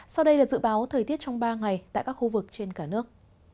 sau đây là dự báo thời tiết trong ba ngày tại các khu vực trên cả nước